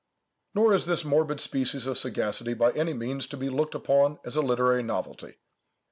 Nor is this morbid species of sagacity by any means to be looked upon as a literary novelty.